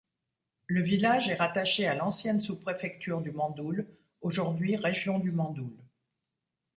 Le village est rattaché à l'ancienne sous-préfecture du Mandoul, aujourd'hui Région du Mandoul.